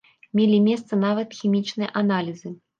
Мелі месца нават хімічныя аналізы.